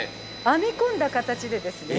編み込んだ形でですね